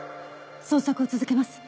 捜索を続けます。